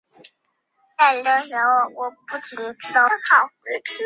目的是为安定劳工生活与协助无法购屋者解决居住问题。